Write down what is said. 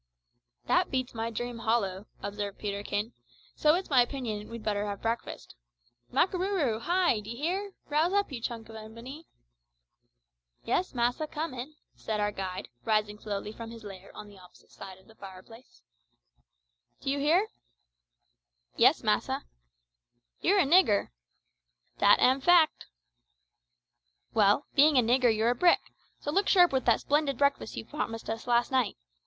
"That beats my dream hollow," observed Peterkin; "so its my opinion we'd better have breakfast. Makarooroo, hy! d'ye hear? rouse up, you junk of ebony." "Yis, massa, comin'," said our guide, rising slowly from his lair on the opposite side of our fireplace. "D'you hear?" "Yis, massa." "You're a nigger!" "Dat am a fact." "Well, being a nigger you're a brick, so look sharp with that splendid breakfast you promised us last night.